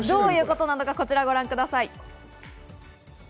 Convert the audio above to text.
どういうことなのか、こちらをご覧ください。